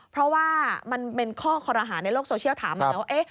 เพราะว่ามันเป็นข้อคอรหาในโลกโซเชียลถามมาแล้วว่า